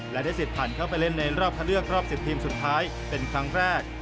และได้สิทธิ์ผ่านเข้าไปเล่นในรอบคัดเลือกรอบ๑๐ทีมสุดท้ายเป็นครั้งแรก